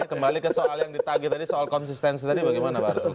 kembali ke soal yang ditagih tadi soal konsistensi tadi bagaimana pak arsul